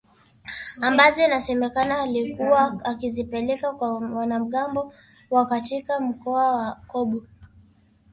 ambazo inasemekana alikuwa akizipeleka kwa wanamgambo wa katika mkoa wa Kobu